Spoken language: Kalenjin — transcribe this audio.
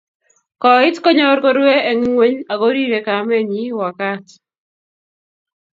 koit konyor korue engingweny, akorire kamenyi wakat